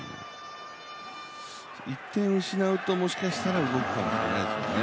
１点失うと、もしかしたら動くかもしれないですね。